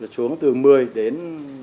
xuống từ một mươi đến tám